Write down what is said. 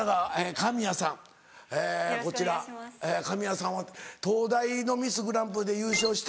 神谷さんは東大のミスグランプリで優勝して。